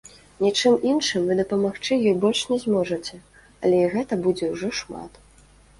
Нічым іншым вы дапамагчы ёй больш не зможаце, але і гэта будзе ўжо шмат.